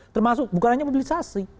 termasuk bukan hanya mobilisasi